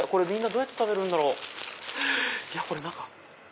みんなどうやって食べるんだろう？中！